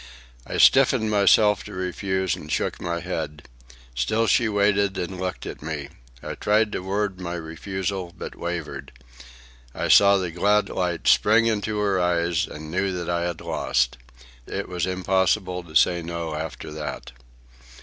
I stiffened myself to refuse, and shook my head. Still she waited and looked at me. I tried to word my refusal, but wavered. I saw the glad light spring into her eyes and knew that I had lost. It was impossible to say no after that.